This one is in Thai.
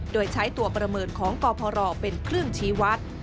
โดยใช้ตัวประเมินของกพรเป็นเครื่องชี้วัด